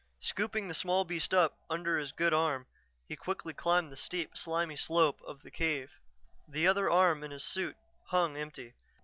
Scooping the small beast up under his good arm, he quickly climbed the steep, slimy slope of the cave. The other arm in his suit hung empty.